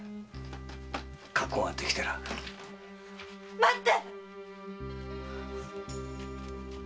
待って‼